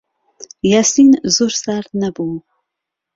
یاسین زۆر سارد نەبوو.